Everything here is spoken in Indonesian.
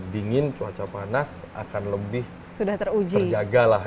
dingin cuaca panas akan lebih terjaga lah